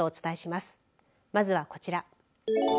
まずはこちら。